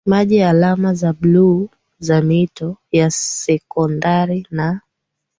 maji alama za bluu za mito ya sekondari na